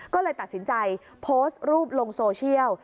ก็เลยตัดสินใจโพสต์รูปลงโซเชียล